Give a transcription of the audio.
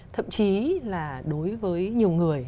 thậm chí là đối với nhiều người